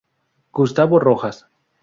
Gustavo Rojas.